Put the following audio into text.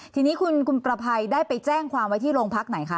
ทีนี้คุณประภัยได้ไปแจ้งความไว้ที่โรงพักไหนคะ